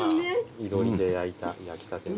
いろりで焼いた焼きたての。